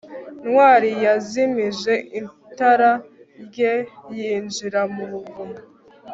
ntwali yazimije itara rye yinjira mu buvumo